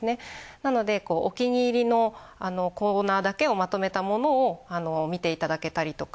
なのでお気に入りのコーナーだけをまとめたものを見ていただけたりとか。